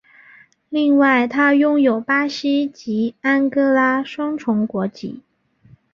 另外他拥有巴西及安哥拉双重国籍。